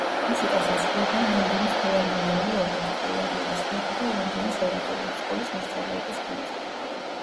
მუსიკას ასრულებენ ლონდონის ფილარმონიული ორკესტრი, ლონდონის ხმები და ლონდონის ორატორული სკოლის მოსწავლეების გუნდი.